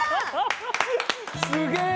すげえ！